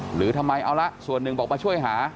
หรือทำไมเอาละส่วนหนึ่งบอกมาช่วยหา